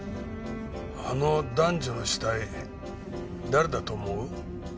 あの男女の死体誰だと思う？